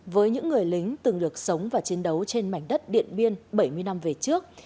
với những người lính từng được sống và chiến đấu trên mảnh đất điện biên bảy mươi năm về trước